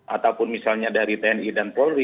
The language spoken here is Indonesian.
ataupun misalnya dari tni dan polri